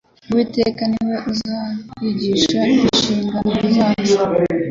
Uwiteka ni we uzatwigisha, inshingano zacu.